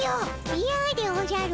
イヤでおじゃる。